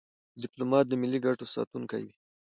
ډيپلومات د ملي ګټو ساتونکی وي.